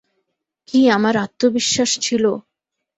কী আমার আত্মবিশ্বাস ছিল!